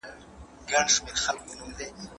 د کورنیو ترمنځ اړیکي د ټولنیز جوړښت یوه مهمه برخه ده.